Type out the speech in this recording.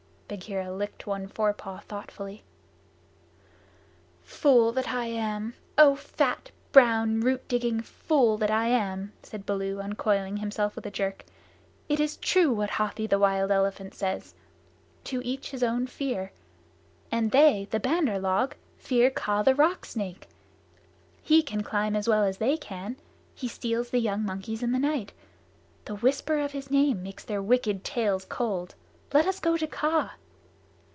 Bagheera licked one forepaw thoughtfully. "Fool that I am! Oh, fat, brown, root digging fool that I am," said Baloo, uncoiling himself with a jerk, "it is true what Hathi the Wild Elephant says: `To each his own fear'; and they, the Bandar log, fear Kaa the Rock Snake. He can climb as well as they can. He steals the young monkeys in the night. The whisper of his name makes their wicked tails cold. Let us go to Kaa."